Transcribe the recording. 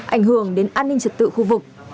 ảnh hưởng đến an ninh trật tự khu vực